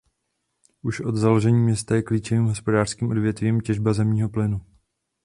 Už od založení města je klíčovým hospodářským odvětvím těžba zemního plynu.